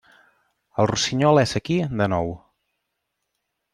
El rossinyol és aquí de nou.